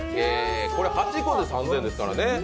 ８個で３０００円ですからね。